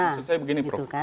maksud saya begini prof